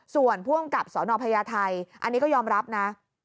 ส่วนผู้อำกับสนพญาไทยอันนี้ก็ยอมรับนะ